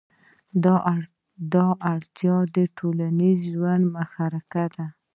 دا اړتیا د ټولنیز ژوند محرکه ده.